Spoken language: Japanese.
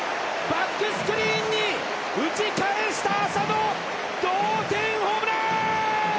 バックスクリーンに打ち返した浅野、同点ホームラーーン！